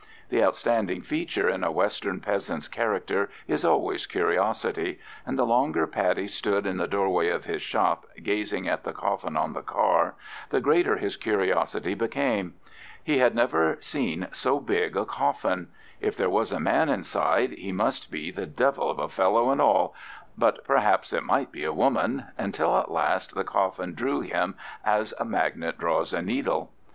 The outstanding feature in a western peasant's character is always curiosity, and the longer Paddy stood in the doorway of his shop gazing at the coffin on the car, the greater his curiosity became. He had never seen so big a coffin; if there was a man inside he must be the "devil of a fellow and all," but perhaps it might be a woman—until at last the coffin drew him as a magnet draws a needle.